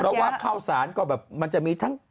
เพราะว่าข้าวสารก็แบบมันจะมีทั้ง